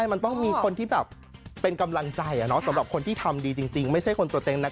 มันต้องมีคนที่กำลังใจสำหรับคนที่ทำดีไม่ใช่คนตัวเน่น